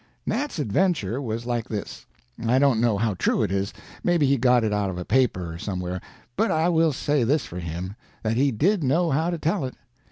Nat's adventure was like this; I don't know how true it is; maybe he got it out of a paper, or somewhere, but I will say this for him, that he did know how to tell it.